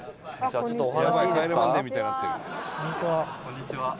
「こんにちは」